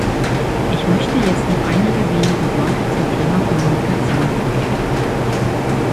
Ich möchte jetzt noch einige wenige Worte zum Thema Kommunikation sagen.